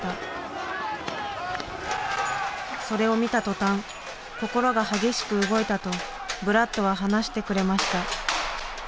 それを見た途端心が激しく動いたとブラッドは話してくれました。